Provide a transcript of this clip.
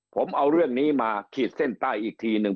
ผมเอาเรื่องนี้มาขีดเส้นใต้อีกทีหนึ่ง